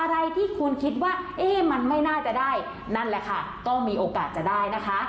อะไรที่คุณคิดว่าเอ๊ะมันไม่น่าจะได้นั่นแหละค่ะก็มีโอกาสจะได้นะคะ